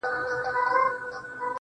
د ښايست و کوه قاف ته، د لفظونو کمی راغی~